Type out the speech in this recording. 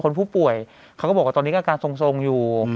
ผู้ป่วยเขาก็บอกว่าตอนนี้อาการทรงอยู่